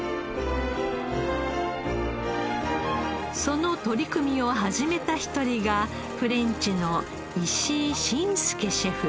その取り組みを始めた一人がフレンチの石井真介シェフ。